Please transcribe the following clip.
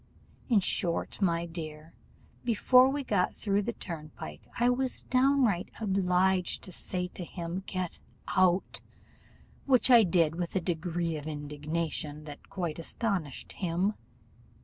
In short, my dear, before we had got through the turnpike gate, I was downright obliged to say to him, 'Get out!' which I did with a degree of indignation that quite astonished him.